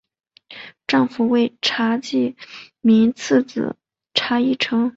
丈夫为查济民次子查懋成。